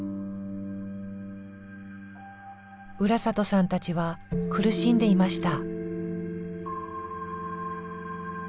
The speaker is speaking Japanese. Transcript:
浦里さんたちは苦しんでいました。